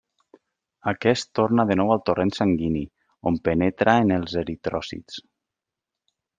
Aquest torna de nou al torrent sanguini, on penetra en els eritròcits.